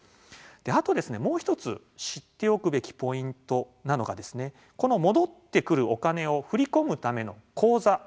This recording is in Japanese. あとですね、もう１つ知っておくべきポイントなのがですね、この戻ってくるお金を振り込むための口座